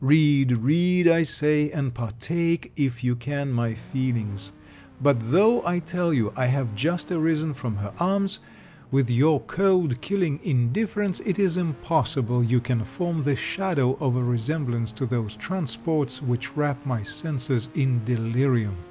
Read, read, I say, and partake if you can my feelings. But though I tell you, I have just arisen from her arms, with your cold killing indifference it is impossible you can form the shadow of a resemblance to those transports which wrap my senses in delirium.